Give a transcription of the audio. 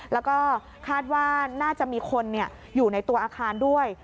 แล้วก็คาดว่าน่าจะมีคนอยู่ในตัวอาคารด้วย